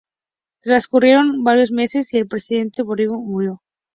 Transcurrieron varios meses y el Presidente Bareiro murió.